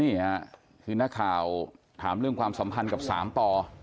นี่ค่ะคือนักข่าวถามเรื่องความสัมพันธ์กับ๓ป